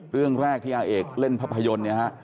เรื่องแรกที่อาเอกเล่นภาพยนตร์เนี่ยฮะ